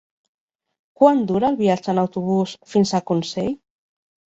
Quant dura el viatge en autobús fins a Consell?